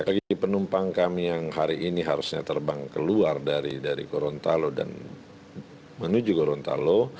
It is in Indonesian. bagi penumpang kami yang hari ini harusnya terbang keluar dari gorontalo dan menuju gorontalo